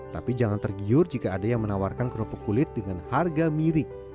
tapi jangan tergiur jika ada yang menawarkan kerupuk kulit dengan harga mirip